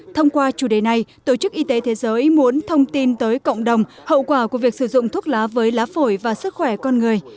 thông qua chủ đề này tổ chức y tế thế giới muốn thông tin tới cộng đồng hậu quả của việc sử dụng thuốc lá với lá phổi và sức khỏe con người